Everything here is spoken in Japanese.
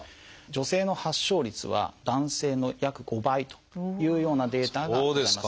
女性の発症率は男性の約５倍というようなデータがあります。